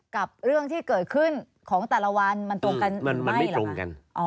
กับเรื่องที่เกิดขึ้นของแต่ละวันมันตรงกันหรือไม่หรือเปล่า